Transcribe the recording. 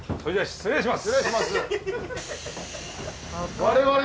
失礼します。